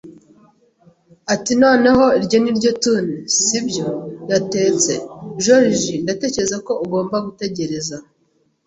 Ati: “Noneho iryo ni ryo toon, si byo?” yatetse. “Joriji, ndatekereza ko ugomba gutegereza